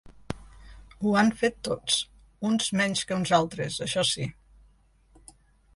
Ho han fet tots, uns menys que uns altres, això sí.